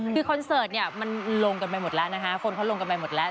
คือคอนเสิร์ตเนี่ยมันลงกันไปหมดแล้วนะคะคนเขาลงกันไปหมดแล้ว